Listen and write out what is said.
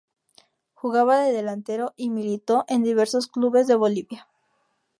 Jugaba de delantero y militó en diversos clubes de Bolivia.